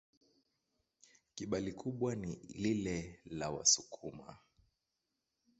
Kabila kubwa ni lile la Wasukuma.